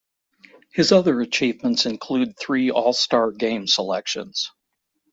His other achievements include three All-Star Game selections.